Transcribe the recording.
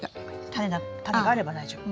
タネがあれば大丈夫。